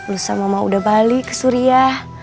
lusa mama mau udah balik ke suriah